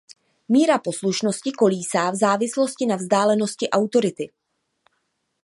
Míra poslušnosti kolísá v závislosti na vzdálenosti autority.